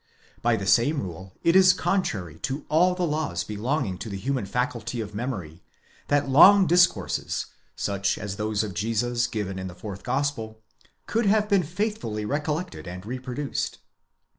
By the same rule it is contrary to all the laws belonging to the human faculty of memory, that long discourses, such as those of Jesus given in the fourth Gospel, could have been faithfully recol lected and reproduced.